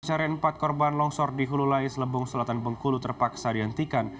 pencarian empat korban longsor di hulu lais lebong selatan bengkulu terpaksa dihentikan